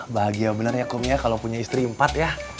bahagia bener ya komia kalo punya istri empat ya